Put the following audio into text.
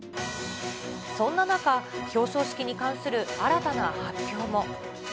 そんな中、表彰式に関する新たな発表も。